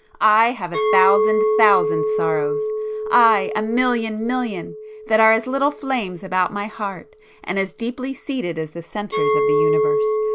I have a thousand thousand sorrows!—aye a million million, that are as little flames about my heart, and as deeply seated as the centres of the universe!